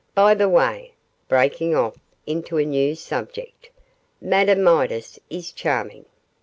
By the way,' breaking off into a new subject, 'Madame Midas is charming.